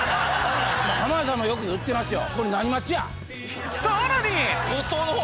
浜田さんもよく言ってますよ。